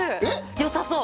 よさそう！